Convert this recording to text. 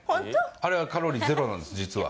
あれはカロリーゼロなんです実は。